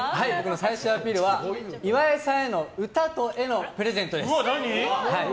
最終アピールは岩井さんへの歌と絵のプレゼントです。